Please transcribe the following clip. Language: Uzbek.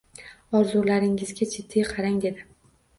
Orzularingizga jiddiy qarang dedi.